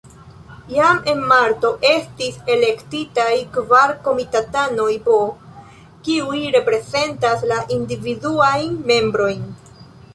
Jam en marto estis elektitaj kvar komitatanoj B, kiuj reprezentas la individuajn membrojn.